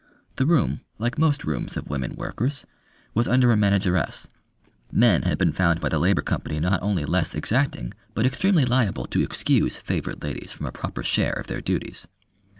The room, like most rooms of women workers, was under a manageress: men had been found by the Labour Company not only less exacting but extremely liable to excuse favoured ladies from a proper share of their duties.